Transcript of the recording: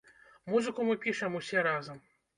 Музыку мы пішам усе разам.